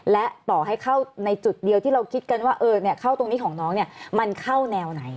และต่อให้เข้าในจุดเดียวที่เราคิดกันว่าเข้าตรงนี้ของน้องเนี่ยมันเข้าแนวไหน